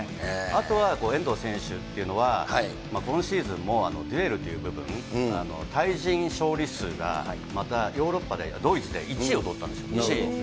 あとは遠藤選手っていうのは、今シーズンも、デュエルという部分、対人勝利数がまたヨーロッパで、ドイツで１位を取ったんですよ。